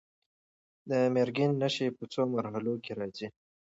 د مېګرین نښې په څو مرحلو کې راځي.